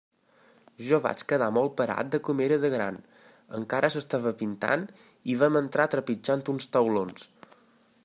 Jo vaig quedar molt parat de com era de gran; encara s'estava pintant, i vam entrar trepitjant uns taulons.